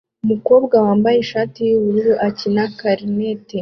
umukobwa wambaye ishati yubururu ukina Clarinet